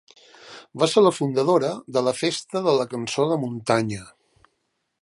Va ser la fundadora de la Festa de la cançó de muntanya.